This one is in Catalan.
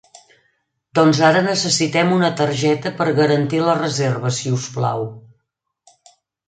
Doncs ara necessitem una targeta per garantir la reserva, si us plau.